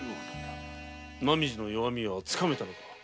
浪路の弱みはつかめたのか？